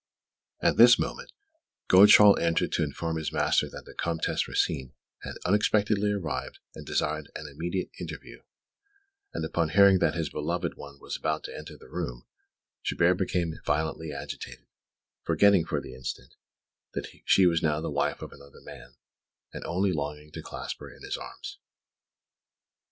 At this moment, Godeschal entered to inform his master that the Comtesse Rosine had unexpectedly arrived and desired an immediate interview; and upon hearing that his beloved one was about to enter the room, Chabert became violently agitated, forgetting, for the instant, that she was now the wife of another man, and only longing to clasp her in his arms.